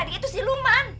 dia itu siluman